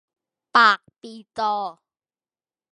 ปากปีจอ